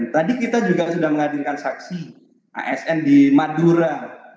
tadi kita juga sudah menghadirkan saksi asn di madura